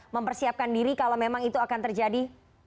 mempersiapkan diri kalau memang itu akan terjadi